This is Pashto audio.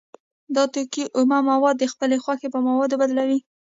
دا توکی اومه مواد د خپلې خوښې په موادو بدلوي